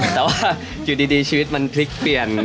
แต่ว่าอยู่ดีชีวิตมันพลิกเปลี่ยน